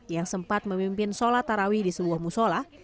yang sempat memimpin sholat tarawi di sebuah musholah